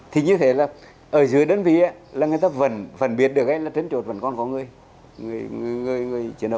thì như thế là ở dưới đơn vị á là người ta phân biệt được ấy là trấn trột vẫn còn có người người chiến đấu